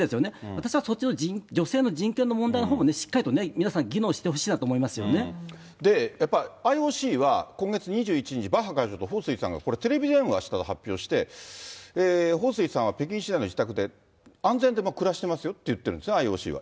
私はそっちの女性の人権の問題のほうもね、しっかりと皆さん、議やっぱりＩＯＣは今月２１日、バッハ会長と彭帥さんがこれ、テレビ電話したと発表していて、彭帥さんは北京市内の自宅で安全で暮らしてますよって言ってるんですね、ＩＯＣは。